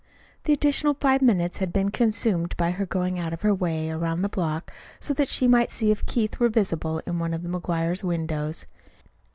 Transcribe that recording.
The additional five minutes had been consumed by her going out of her way around the block so that she might see if Keith were visible in one of the McGuires' windows.